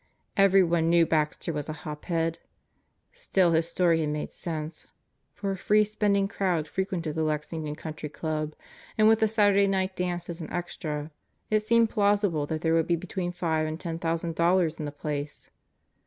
Everyone knew Baxter was a hop head. ... Still his story had made sense; for a free spending crowd frequented the Lexington Country Club, and with the Saturday Night Dance as an extra, it seemed plausible that there would be between five and ten thousand dollars in the place.